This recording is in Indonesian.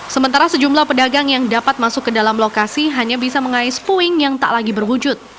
sementara sejumlah pedagang yang dapat masuk ke dalam lokasi hanya bisa mengais puing yang tak lagi berwujud